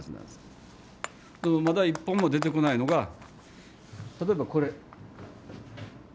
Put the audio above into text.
でもまだ一本も出てこないのが例えばこれ。